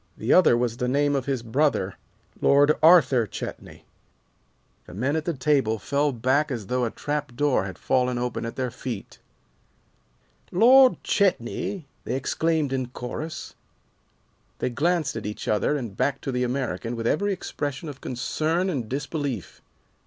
The other was the name of his brother, Lord Arthur Chetney." The men at the table fell back as though a trapdoor had fallen open at their feet. "Lord Chetney!" they exclaimed in chorus. They glanced at each other and back to the American with every expression of concern and disbelief.